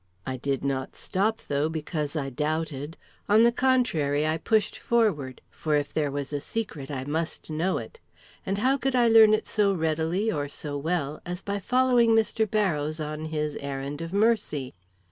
I did not stop, though, because I doubted. On the contrary, I pushed forward, for if there was a secret, I must know it; and how could I learn it so readily or so well as by following Mr. Barrows on his errand of mercy?